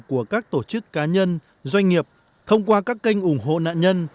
của các tổ chức cá nhân doanh nghiệp thông qua các kênh ủng hộ nạn nhân